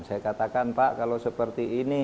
saya katakan pak kalau seperti ini